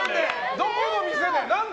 どこの店で？